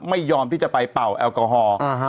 ไม่ยอมที่จะไปเป่าแอลกอฮอล์